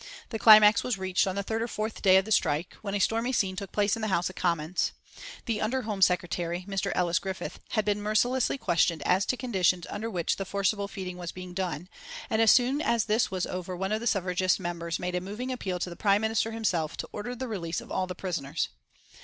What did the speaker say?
The climax was reached on the third or fourth day of the strike, when a stormy scene took place in the House of Commons. The Under Home Secretary, Mr. Ellis Griffith, had been mercilessly questioned as to conditions under which the forcible feeding was being done, and as soon as this was over one of the suffragist members made a moving appeal to the Prime Minister himself to order the release of all the prisoners.